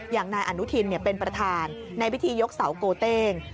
อย่างนายอนุทินเป็นประธานในพิธียกเสาโกเต้ง